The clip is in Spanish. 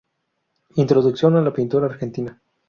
Introducción a la Pintura Argentina".